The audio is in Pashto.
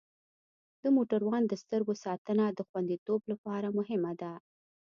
د موټروان د سترګو ساتنه د خوندیتوب لپاره مهمه ده.